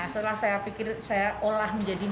setelah saya pikir saya olah menjadi